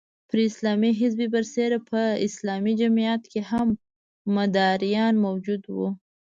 پر اسلامي حزب برسېره په اسلامي جمعیت کې هم مداریان موجود وو.